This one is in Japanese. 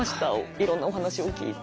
いろんなお話を聞いて。